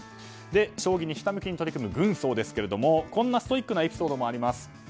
将棋にひたむきに取り組む軍曹ですけどもこんなストイックなエピソードもあります。